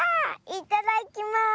いただきます！